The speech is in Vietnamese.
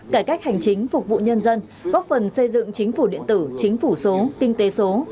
cải cách hành chính phục vụ nhân dân góp phần xây dựng chính phủ điện tử chính phủ số kinh tế số